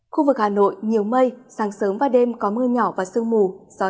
khu vực hà nội nhiều mây sáng sớm và đêm có mưa nhỏ và sơ mù gió nhẹ trời rét